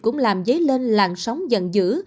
cũng làm giấy lên làn sóng giận dữ